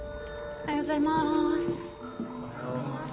おはようございます。